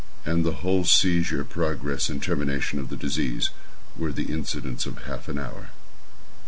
And the whole seizure, progress and termination of the disease, were the incidents of half an hour.